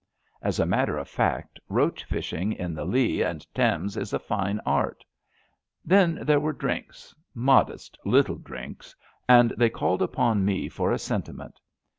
As a matter of fact, roach fishing in the Lea and 224 ABAFT THE FUNNEL Thames is a fine art. Then there were drinks — modest little drinks — ^and they called upon me for a sentiment.